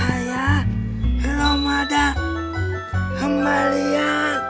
ayah lu gak ada kembalian